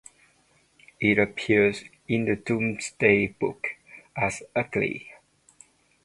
It appears in the "Domesday Book" as "Ugghelea".